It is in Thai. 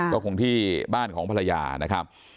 ก็คงที่บ้านของภรรยานะครับ